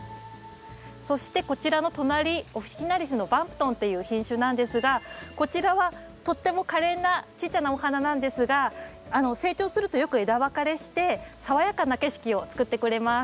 そしてこちらの隣オフィキナリスのバンプトンという品種なんですがこちらはとってもかれんなちっちゃなお花なんですが成長するとよく枝分かれして爽やかな景色を作ってくれます。